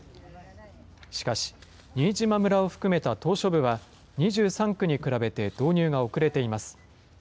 しかし、新島村を含めた島しょ部は２３区に比べて導入が遅れています。